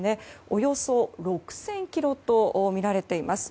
およそ６０００ｋｍとみられています。